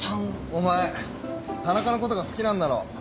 お前田中のことが好きなんだろ？